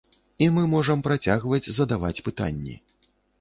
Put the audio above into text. І мы можам працягваць задаваць пытанні.